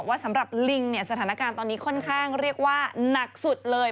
สำหรับลิงเนี่ยสถานการณ์ตอนนี้ค่อนข้างเรียกว่าหนักสุดเลย